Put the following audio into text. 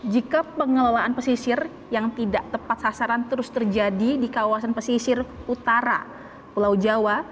jika pengelolaan pesisir yang tidak tepat sasaran terus terjadi di kawasan pesisir utara pulau jawa